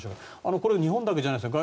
これ、日本だけじゃないですね